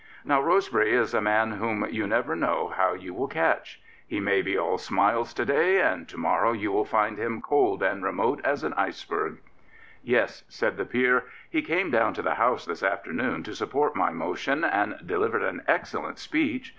Now Rosebery is a man whom you never know how you will catch. He may be all smiles to day and to morrow you will find him cold and remote as an iceberg. Yes, said the Peer, " he came down to the House this afternoon to support my motion, and delivered an excellent speech.